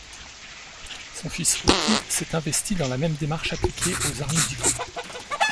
Son fils Oki, s'est investi dans la même démarche, appliquée aux arts musicaux.